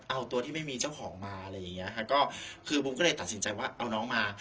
เอาตัวที่ไม่มีเจ้าของมาอะไรอย่างเงี้ยค่ะก็คือบุ๋มก็เลยตัดสินใจว่าเอาน้องมา